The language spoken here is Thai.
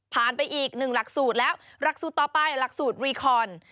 ไปอีกหนึ่งหลักสูตรแล้วหลักสูตรต่อไปหลักสูตรรีคอน